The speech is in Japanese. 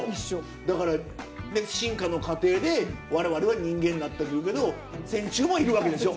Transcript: だから進化の過程で我々は人間になってくるけど線虫もいるわけでしょ。